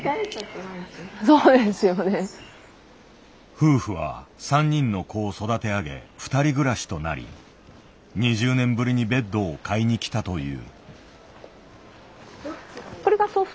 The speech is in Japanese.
夫婦は３人の子を育て上げ２人暮らしとなり２０年ぶりにベッドを買いに来たという。